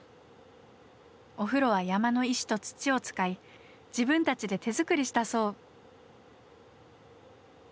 お風呂は山の石と土を使い自分たちで手作りしたそう。